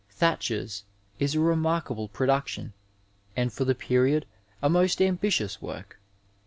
Thacher's is a remarkable production and for the period a most ambitious work.